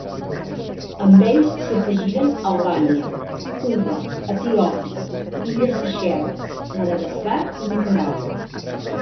Amb ells s'hi afegiren Albània, Cuba, Etiòpia, illes Seychelles, Madagascar i Nicaragua.